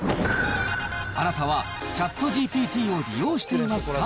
あなたはＣｈａｔＧＰＴを利用していますか？